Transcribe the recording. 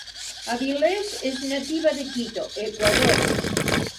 Avilés és nativa de Quito, Equador.